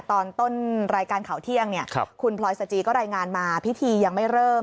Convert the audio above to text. ตอนต้นรายการข่าวเที่ยงคุณพลอยสจีก็รายงานมาพิธียังไม่เริ่ม